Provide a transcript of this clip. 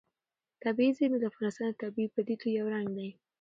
طبیعي زیرمې د افغانستان د طبیعي پدیدو یو رنګ دی.